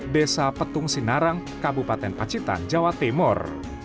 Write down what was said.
desa petung sinarang kabupaten pacitan jawa timur